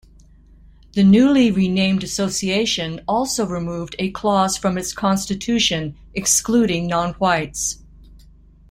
The newly renamed association also removed a clause from its constitution excluding non-whites.